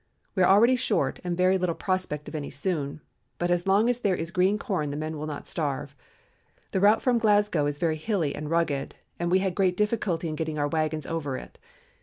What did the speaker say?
We are already short and very little prospect of any soon, but as long as there is green corn the men will not starve. The route from Glasgow is very hilly and rugged, and we had great difficulty in getting our wagons over it.